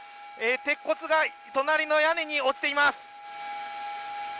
鉄骨が隣の屋根に落ちています。